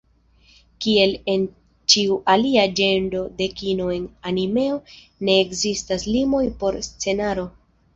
Kiel en ĉiu alia ĝenro de kino, en animeo ne ekzistas limoj por scenaro.